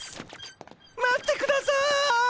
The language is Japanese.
待ってください！